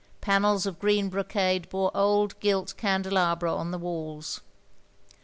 Panels of green brocade bore old gilt candelabra on the walls.